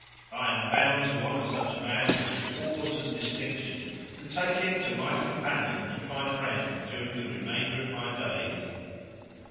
I am bound to honour such a man with rewards and distinction, and take him to my companion and my friend during the remainder of my days."